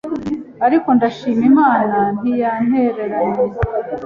ariko ndashima Imana ntiyantereranye